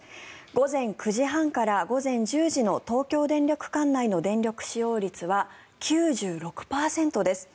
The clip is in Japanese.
午前９時半から午前１０時の東京電力管内の電力使用率は９６％です。